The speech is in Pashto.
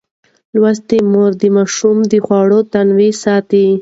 لوستې مور د ماشوم د خوړو تنوع ساتي.